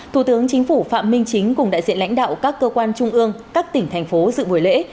thủ tướng chính phủ phạm minh chính cùng đại diện lãnh đạo các cơ quan trung ương các tỉnh thành phố dự buổi lễ